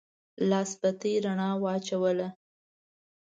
لاسي بتۍ رڼا واچوله.